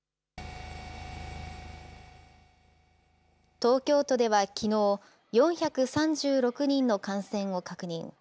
東京都ではきのう、４３６人の感染を確認。